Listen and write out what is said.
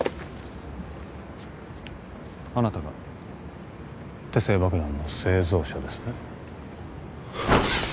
あなたが手製爆弾の製造者ですね？